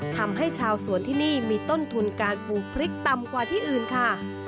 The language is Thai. ทำให้ชาวสวนที่นี่มีต้นทุนการปลูกพริกต่ำกว่าที่อื่นค่ะ